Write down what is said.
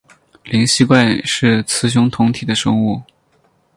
灵吸怪是雌雄同体的生物。